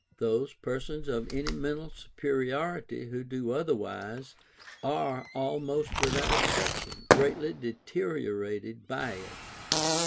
Those persons of any mental superiority who do otherwise, are, almost without exception, greatly deteriorated by it.